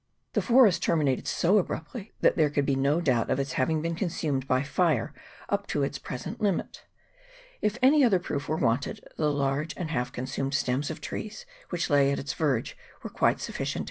The forest terminated so abruptly, that there could be no doubt of its having been consumed by fire up to its pre sent limit. If any other proof were wanted, the large and half consumed stems of trees which lay at its verge were quite sufficient to.